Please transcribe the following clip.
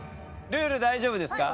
ルール大丈夫ですか？